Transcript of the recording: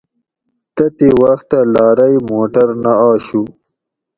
تتھیں وختہ لارئ موٹر نہ آشو